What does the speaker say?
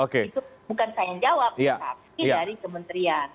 itu bukan saya yang jawab tapi dari kementerian